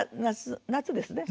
夏ですね？